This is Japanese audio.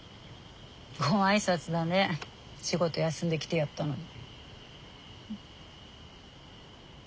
ご挨拶だね仕事休んで来てやったのに。